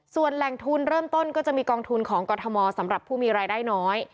ส่วนแหล่งทุนเริ่มต้นก็จะมีกองทุนของกรทมสำหรับผู้มีรายได้น้อย